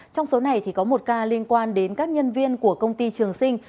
trong số này có một ca liên quan đến các nhân viên của công ty trường sinh